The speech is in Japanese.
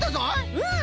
うん！